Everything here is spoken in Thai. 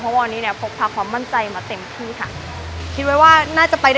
เพราะวันนี้พวกพาความมั่นใจมาเต็มที่ค่ะ